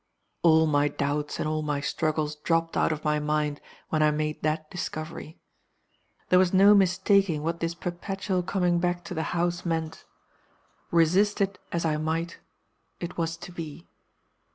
"All my doubts and all my struggles dropped out of my mind when I made that discovery. There was no mistaking what this perpetual coming back to the house meant. Resist it as I might, it was to be.